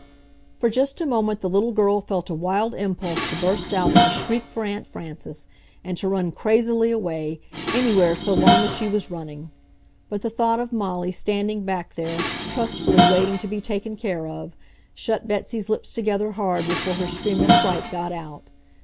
For just a moment the little girl felt a wild impulse to burst out in a shriek for Aunt Frances, and to run crazily away, anywhere so long as she was running. But the thought of Molly standing back there, trustfully waiting to be taken care of, shut Betsy's lips together hard before her scream of fright got out.